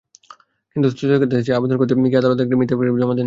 কিন্তু স্থগিতাদেশ চেয়ে আবেদন করতে গিয়ে আদালতে মিথ্যা এফিডেভিট জমা দেন তিনি।